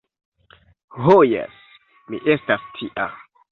Ho jes! mi estas tia.